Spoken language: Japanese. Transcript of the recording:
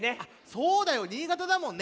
そうだよ新潟だもんね。